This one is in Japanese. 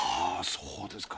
そうですか。